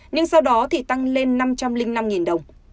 nhưng sau đó thì tăng lên năm trăm linh năm đồng